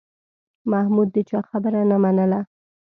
محمود د چا خبره نه منله